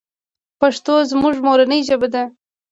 پښتو زموږ مورنۍ ژبه ده.